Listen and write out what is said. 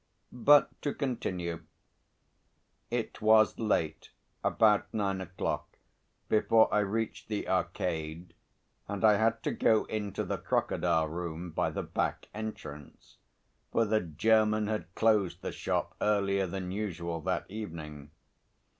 But to continue. It was late, about nine o'clock, before I reached the Arcade, and I had to go into the crocodile room by the back entrance, for the German had closed the shop earlier than usual that evening.